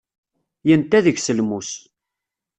Yenta deg-s lmus.